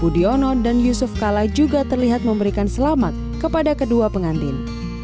dan yusuf kalla juga terlihat memberikan selamat kepada kedua pengantin